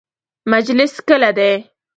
مجلس کله دی؟